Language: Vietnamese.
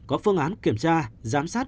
có phương án kiểm tra giám sát